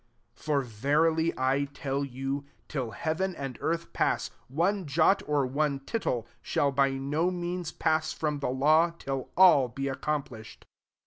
18 For verily I tell you, Till heaven and earth pass, one jot or one tittle shall by no means pass from the law, till all be accomplished.